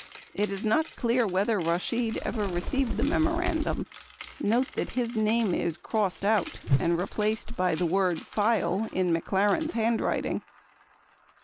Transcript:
It is not. clear whether Rashid ever received the memorandum (note that his name is crossed out and replaced by the word "File" in McLaren's handwriting)